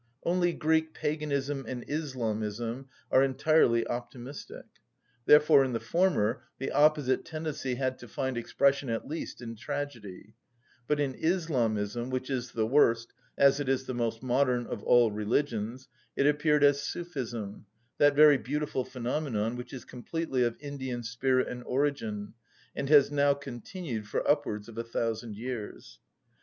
Only Greek paganism and Islamism are entirely optimistic: therefore in the former the opposite tendency had to find expression at least in tragedy; but in Islamism, which is the worst, as it is the most modern, of all religions, it appeared as Sufism, that very beautiful phenomenon, which is completely of Indian spirit and origin, and has now continued for upwards of a thousand years.